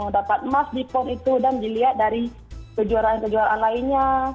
dapat emas di pon itu dan dilihat dari kejuaraan kejuaraan lainnya